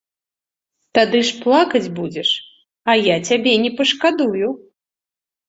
Тады ж плакаць будзеш, а я цябе не пашкадую.